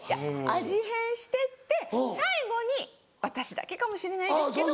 味変してって最後に私だけかもしれないですけど。